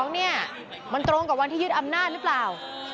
เนี่ยมันตรงกับวันที่ยึดอำนาจหรือเปล่า